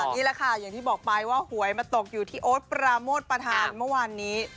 นี่แหละค่ะอย่างที่บอกไปว่าหวยมาตกอยู่ที่โอ๊ตปราโมทประธานเมื่อวานนี้